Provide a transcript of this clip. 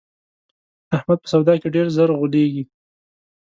احمد په سودا کې ډېر زر غولېږي.